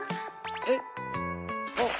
えっ？